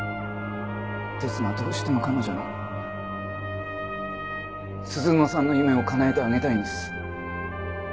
ですがどうしても彼女の鈴乃さんの夢をかなえてあげたいんです。